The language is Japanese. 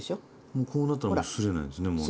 もうこうなったらもうすれないですねもうね。